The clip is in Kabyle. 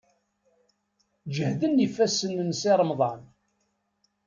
Ǧehden ifassen n Si Remḍan.